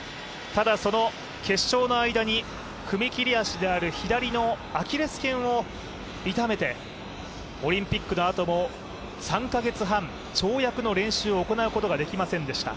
ただその決勝の間に踏み切り足である左のアキレスけんを痛めてオリンピックのあとも３カ月半、跳躍の練習を行うことができませんでした。